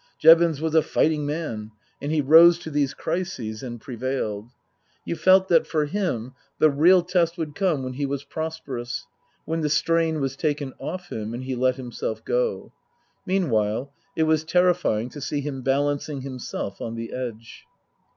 Jevons was a fighting man, and he rose to these crises and prevailed. You felt that for him the real test would come when he was prosperous, when the strain was taken off him and he let himself go. Meanwhile it was terrifying to see him balancing himself on the edge.